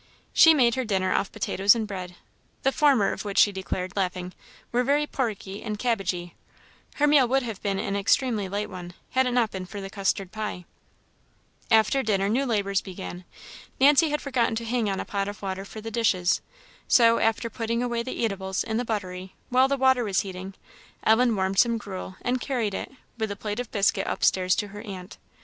She made her dinner off potatoes and bread, the former of which she declared, laughing, were very porky and cabbagy; her meal would have been an extremely light one, had it not been for the custard pie. After dinner, new labours began. Nancy had forgotten to hang on a pot of water for the dishes; so, after putting away the eatables in the buttery, while the water was heating, Ellen warmed some gruel, and carried it, with a plate of biscuit, upstairs to her aunt.